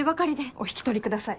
お引き取り下さい。